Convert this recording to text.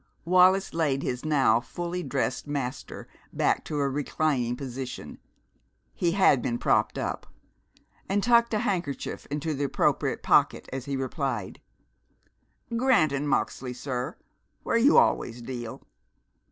Wallis laid his now fully dressed master back to a reclining position he had been propped up and tucked a handkerchief into the appropriate pocket as he replied, "Grant & Moxley's, sir, where you always deal."